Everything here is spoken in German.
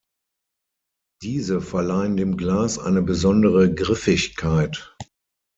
Diese verleihen dem Glas eine besondere Griffigkeit.